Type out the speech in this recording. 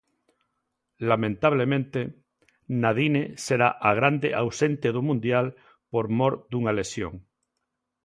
Lamentablemente, Nadine será a grande ausente do mundial por mor dunha lesión.